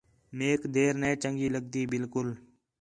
میک دیر نَے چَنڳی لڳدی بالکل